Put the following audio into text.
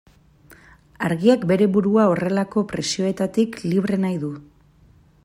Argiak bere burua horrelako presioetatik libre nahi du.